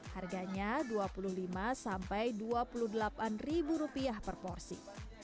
harganya dua puluh lima sampai dua puluh delapan ribu rupiah per porsi